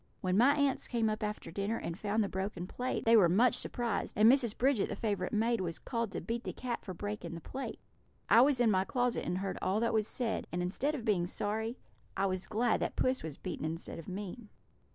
When my aunts came up after dinner and found the broken plate, they were much surprised, and Mrs. Bridget, the favourite maid, was called to beat the cat for breaking the plate. I was in my closet and heard all that was said, and instead of being sorry, I was glad that puss was beaten instead of me.